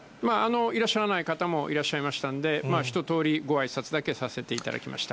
いらっしゃらない方もいらっしゃいましたんで、一とおりごあいさつだけさせていただきました。